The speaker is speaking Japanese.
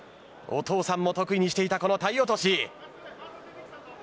お父さんも得意にしていた体落。